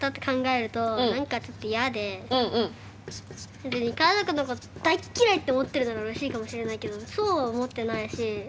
それで家族のこと大っ嫌いって思ってるならうれしいかもしれないけどそうは思ってないし。